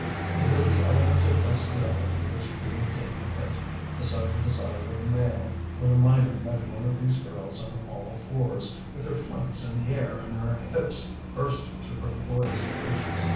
It was the element of bestiality which breathed in the pit, the sudden desire of the male, when a miner met one of these girls on all fours, with her flanks in the air and her hips bursting through her boy's breeches.